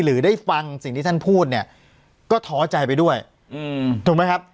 หรือได้ฟังสิ่งที่ท่านพูดเนี่ยก็ท้อใจไปด้วยถูกไหมครับ